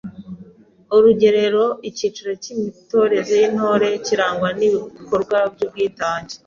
Urugerero Icyiciro cy’imitoreze y’Intore kirangwa n’ibikorwa by’ubwitange